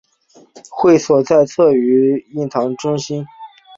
会所在鲗鱼涌英皇道乐基中心。